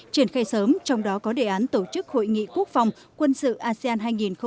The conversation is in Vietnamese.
triển khai sớm trong đó có đề án tổ chức hội nghị quốc phòng quân sự asean hai nghìn hai mươi